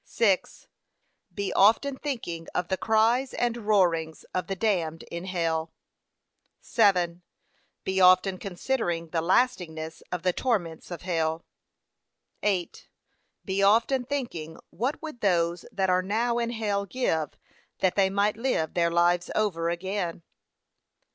6. Be often thinking of the cries and roarings of the damned in hell. 7. Be often considering the lastingness of the torments of hell. 8. Be often thinking what would those that are now in hell give that they might live their lives over again.